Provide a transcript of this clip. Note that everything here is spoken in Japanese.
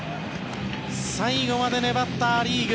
最後まで粘ったア・リーグ。